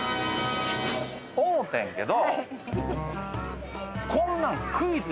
思ってんけど。